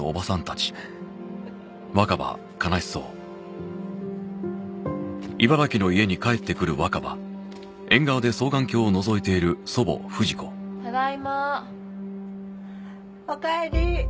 ふふっただいまおかえり